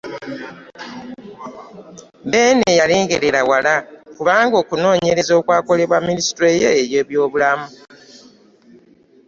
Beene yalengerera wala kubanga okunoonyereza okwakolebwa Minisitule y'Ebyobulamu.